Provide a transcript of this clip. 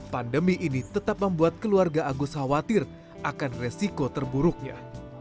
pandemi ini tetap membuat keluarga agus khawatir akan resiko terburuknya